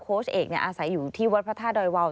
เอกอาศัยอยู่ที่วัดพระธาตุดอยวาว